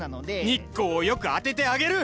日光をよく当ててあげる！